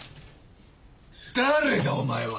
誰だお前は！？